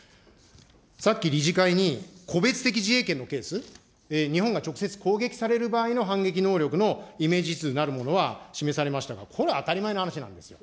さっき理事会に、個別的自衛権のケース、日本が直接攻撃される場合の反撃能力のイメージ図なるものは示されましたが、これは当たり前の話なんですよ。